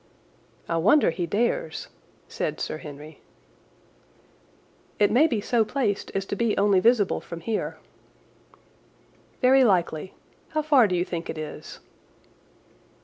"I wonder he dares," said Sir Henry. "It may be so placed as to be only visible from here." "Very likely. How far do you think it is?"